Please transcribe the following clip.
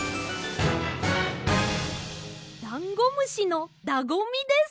ダンゴムシのだごみです！